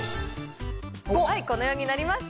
このようになりました。